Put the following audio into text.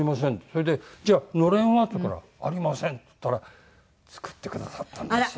それで「じゃあのれんは？」って言うから「ありません」って言ったら作ってくださったんですよ。